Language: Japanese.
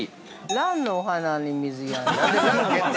◆ランのお花に水やり。